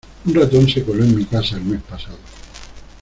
Un ratón se coló en mi casa el mes pasado.